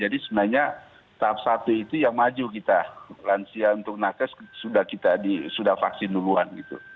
tapi saya kira tahap satu itu yang maju kita lansia untuk nages sudah kita sudah vaksin duluan gitu